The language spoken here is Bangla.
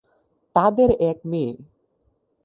তাদের এক মেয়ে।